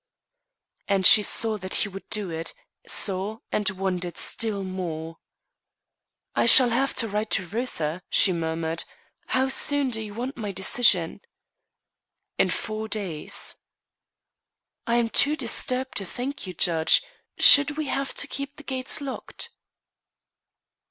And she saw that he would do it; saw and wondered still more. "I shall have to write to Reuther," she murmured. "How soon do you want my decision?" "In four days." "I am too disturbed to thank you, judge. Should should we have to keep the gates locked?"